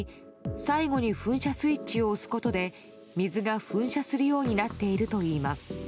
最後に噴射スイッチを押すことで水が噴射するようになっているといいます。